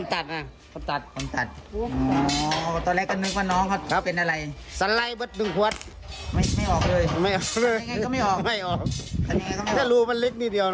แต่รูมันเล็กนิดเดียวนะ